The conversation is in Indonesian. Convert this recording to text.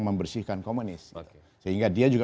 membersihkan komunis sehingga dia juga